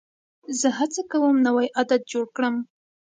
زه هڅه کوم نوی عادت جوړ کړم.